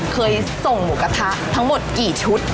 เคยส่งหมูกระทะทั้งหมดกี่ชุด